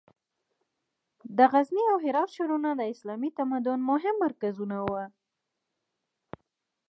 د غزني او هرات ښارونه د اسلامي تمدن مهم مرکزونه وو.